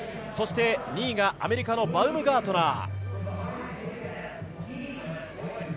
そして、２位がアメリカのバウムガートナー。